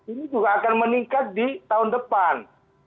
ini juga akan meningkat di tahun depan